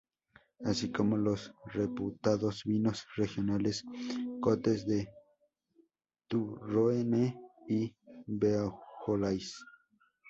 Así como los reputados vinos regionales Côtes du Rhône y Beaujolais.